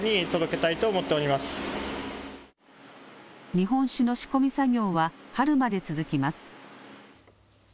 日本酒の仕込み作業は春まで続きます。